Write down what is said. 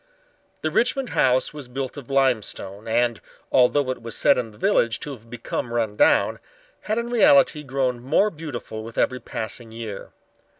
The Richmond house was built of limestone, and, although it was said in the village to have become run down, had in reality grown more beautiful with every passing year.